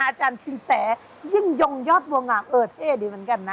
อาจารย์ชินแสยิ่งยงยอดบัวงามเอิดเอ๊ดีเหมือนกันนะ